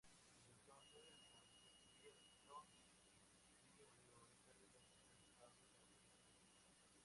Desde entonces Sampietro vive mayoritariamente alejado de la política activa.